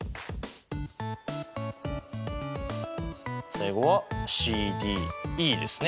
最後はＣＤＥですね。